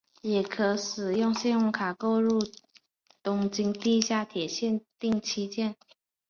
也可使用信用卡购入东京地下铁线定期券。